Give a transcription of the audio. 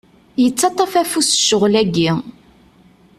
Yettaṭṭaf afus ccɣel-agi.